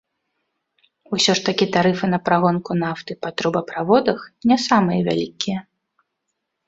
Усё ж такі тарыфы на прагонку нафты па трубаправодах не самыя вялікія.